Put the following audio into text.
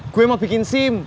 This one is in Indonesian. gue mau bikin sim